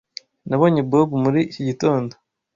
Nabonye Bob muri iki gitondo.